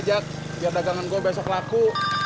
ah udah tidur udah ragu